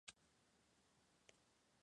Mayumi Azuma